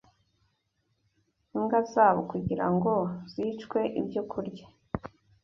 imbwa zabo kugira ngo zicwe ibyo kurya